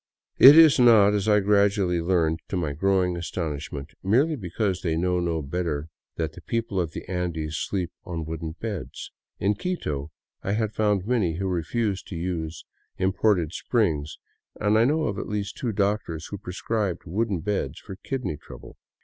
It is not, as I gradually learned to my growing astonishment, merely because they know no better that the people of the Andes sleep on wooden beds. In Quito I had found many who refused to use the imported springs, and I know at least two doctors who prescribed wooden beds for kidney trouble.